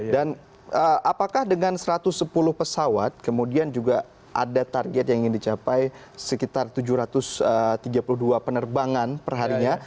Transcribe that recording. dan apakah dengan satu ratus sepuluh pesawat kemudian juga ada target yang ingin dicapai sekitar tujuh ratus tiga puluh dua penerbangan perharinya